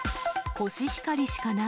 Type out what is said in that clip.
コシヒカリしかない。